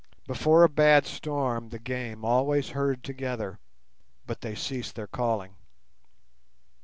Before a bad storm the game always herd together, but they cease their calling.